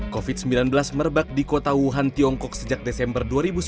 covid sembilan belas merebak di kota wuhan tiongkok sejak desember dua ribu sembilan belas